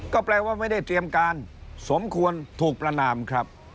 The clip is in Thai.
ก็แปลว่าไม่ได้เตรียมการสมควรถูกประนามครับ